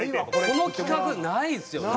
この規格ないですよね。